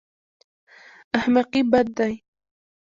احمقي بد دی.